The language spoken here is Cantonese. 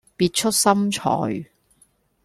別出心裁